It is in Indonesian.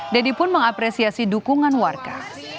deddy pun mengapresiasi dukungan warga